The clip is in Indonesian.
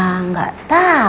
mama kenapa ya